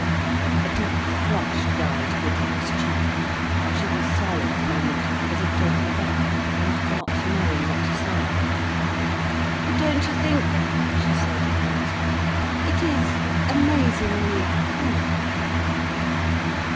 A deep flush dyed Gudrun's cheek. She was silent a moment, as if taken aback, and not knowing what to say. "But don't you think," she said at last, "it is _amazingly cool!